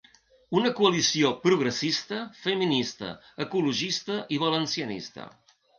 Una coalició progressista, feminista, ecologista i valencianista.